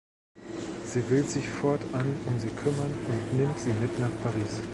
Sie will sich fortan um sie kümmern und nimmt sie mit nach Paris.